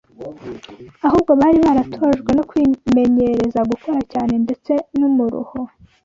Ahubwo bari baratojwe no kwimenyereza gukora cyane ndetse n’umuruho